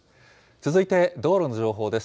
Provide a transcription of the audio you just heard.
続いて道路の情報です。